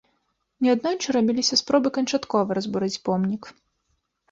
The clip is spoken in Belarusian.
Неаднойчы рабіліся спробы канчаткова разбурыць помнік.